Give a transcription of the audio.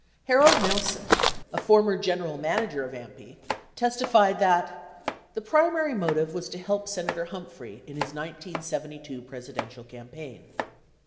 6 Harold Nelson, a former general manager of AMPI, testified that 'Tt]he primary motive was to help Senator Humphrey" 6 in his 1972 Presi dential campaign.